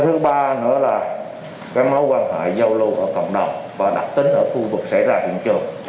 thứ ba nữa là gắn mối quan hệ giao lưu ở cộng đồng và đặc tính ở khu vực xảy ra hiện trường